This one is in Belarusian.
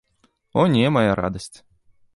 О не, мая радасць!